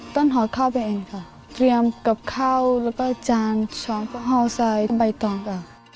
ต้นหอข้าวไปเองค่ะเตรียมกับข้าวแล้วก็จานช้องห้อสายใบตองค่ะ